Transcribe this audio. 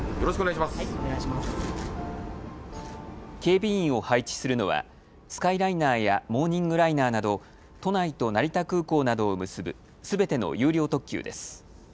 警備員を配置するのはスカイライナーやモーニングライナーなど都内と成田空港などを結ぶすべての有料特急です。